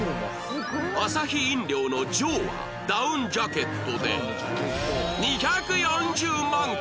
アサヒ飲料の Ｊ．Ｏ． はダウンジャケットで２４０万件！